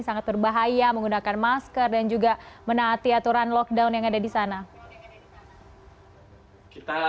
sangat berbahaya menggunakan masker dan juga menaati aturan lockdown yang ada di sana